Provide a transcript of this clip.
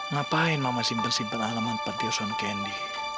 ngapain mama simpen simpen alamat pantiusan candy